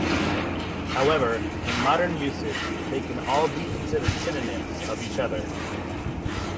However, in modern usage, they can all be considered synonyms of each other.